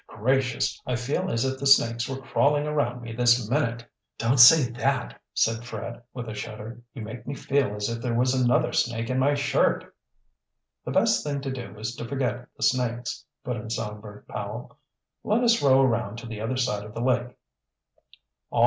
"Gracious, I feel as if the snakes were crawling around me this minute!" "Don't say that," said Fred with a shudder. "You make me feel as if there was another snake in my shirt." "The best thing to do is to forget the snakes," put in Songbird Powell. "Let us row around to the other side of the lake."